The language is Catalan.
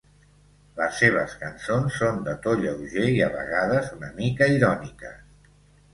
Les seves cançons són de to lleuger i, a vegades, una mica iròniques.